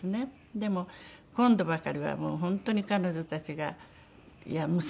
でも今度ばかりはもう本当に彼女たちがいや娘。